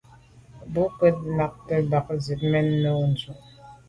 Bo nke ntagte mba zit mèn no ndù.